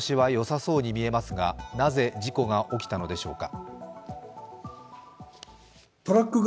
見通しはよさそうに見えますが、なぜ事故が起きたのでしょうか。